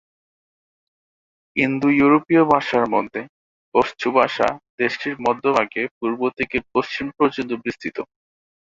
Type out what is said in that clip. ইন্দো-ইউরোপীয় ভাষার মধ্যে পশতু ভাষা দেশটির মধ্যভাগে পূর্ব থেকে পশ্চিম পর্যন্ত বিস্তৃত।